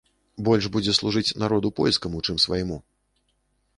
Больш будзе служыць народу польскаму, чым свайму!